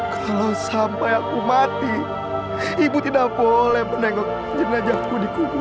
kalau sampai aku mati ibu tidak boleh menengok jenazahku di kuburan itu